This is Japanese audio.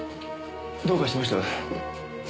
どうかしました？